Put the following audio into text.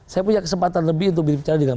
saya punya kesempatan lebih untuk berbicara dengan